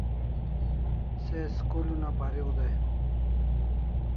Se school una pariu day